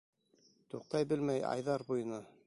Туҡтай белмәй айҙар буйына.